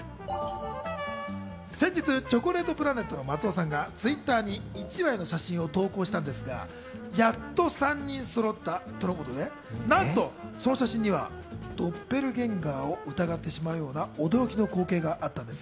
先日チョコレートプラネットの松尾さんがＴｗｉｔｔｅｒに１枚の写真を投稿したんですが、やっと３人そろったとのことで、なんとその写真にはドッペルゲンガーを疑ってしまうような驚きの光景があったんです。